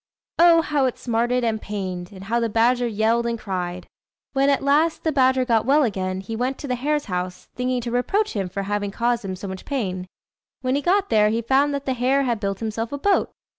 Oh! how it smarted and pained! and how the badger yelled and cried! [Illustration: THE HARE AND THE BADGER. (2)] When, at last, the badger got well again, he went to the hare's house, thinking to reproach him for having caused him so much pain. When he got there, he found that the hare had built himself a boat.